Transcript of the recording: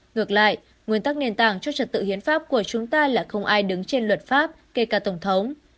ngược lại nguyên tắc nền tảng cho trật tự hiến pháp của chúng ta là không ai đứng trên luật pháp kể cả tổng thống